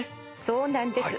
そうなんです。